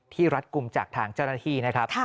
รัดกลุ่มจากทางเจ้าหน้าที่นะครับ